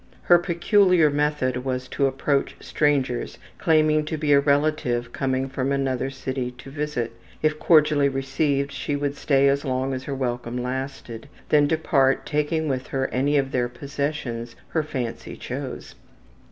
Her peculiar method was to approach strangers, claiming to be a relative coming from another city to visit. If cordially received she would stay as long as her welcome lasted, then depart taking with her any of their possessions her fancy chose.